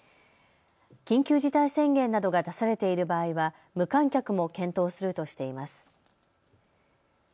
緊急事態宣言などが出されている場合は無観客も検討するとしています。